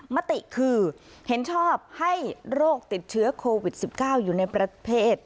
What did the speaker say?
มติคือเห็นชอบให้โรคติดเชื้อโควิด๑๙อยู่ในประเทศ